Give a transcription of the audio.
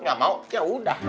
nggak mau ya udah